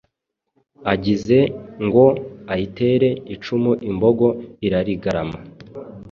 agize ngo ayitere icumu imbogo irarigarama,